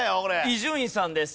伊集院さんです。